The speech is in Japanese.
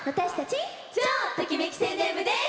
超ときめき宣伝部です！